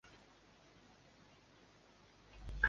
Ушундай тарабы да каралса, жакшы болмок.